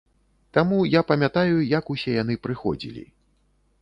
Таму я памятаю, як усе яны прыходзілі.